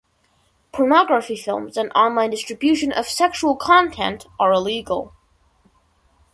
Pornography films and online distribution of sexual content are illegal.